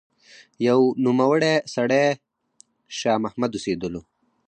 يو نوموړی سړی شاه محمد اوسېدلو